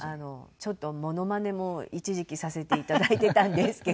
ちょっとモノマネも一時期させていただいてたんですけど。